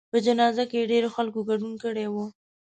په جنازه کې یې ډېرو خلکو ګډون کړی و.